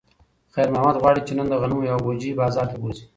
خیر محمد غواړي چې نن د غنمو یوه بوجۍ بازار ته بوځي.